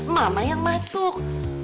mama yang masuk